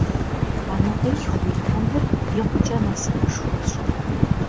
Анэкъилъху уиӏэныр икъукӏэ насыпышхуэщ!